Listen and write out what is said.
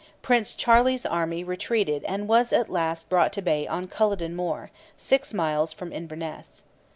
Prince Charlie's army retreated and was at last brought to bay on Culloden Moor, six miles from Inverness.